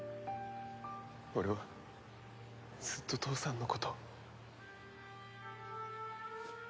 俺はずっと父さんのことを。